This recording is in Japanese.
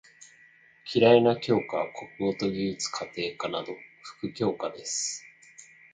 嫌いな教科は国語と技術・家庭科など副教科です。